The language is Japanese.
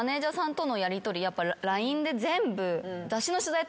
やっぱＬＩＮＥで全部。